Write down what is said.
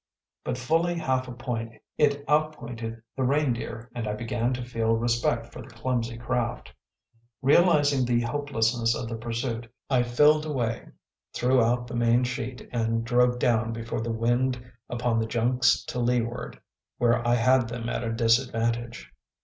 By fully half a point it outpointed the Reindeer, and I began to feel respect for the clumsy craft. Realizing the hopelessness of the pursuit, I filled away, threw out the main sheet, and drove down before the wind upon the junks to leeward, where I had them at a disadvantage.